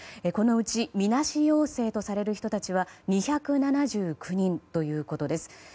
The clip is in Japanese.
このうちみなし陽性とされる人たちは２７９人ということです。